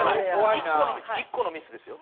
１個のミス１個のミスですよ。